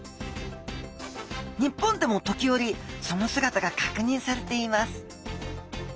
日本でも時折その姿がかくにんされています